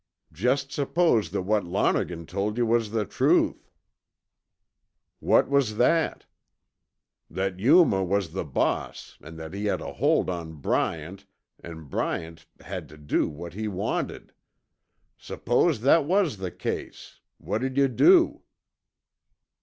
"Jest suppose that what Lonergan told yuh was the truth." "What was that?" "That Yuma was the boss an' that he had a hold on Bryant an' Bryant had tuh do what he wanted? Suppose that was the case, what'd you do?"